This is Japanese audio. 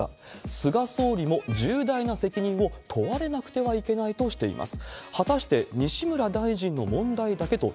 菅総理も重大な責任を問われなくてはいけないとしています。